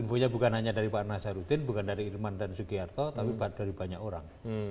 infonya bukan hanya dari pak nazarudin bukan dari irman dan sugiharto tapi dari banyak orang